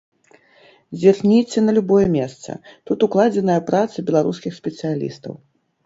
Зірніце на любое месца, тут укладзеная праца беларускіх спецыялістаў.